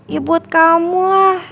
ya buat kamu lah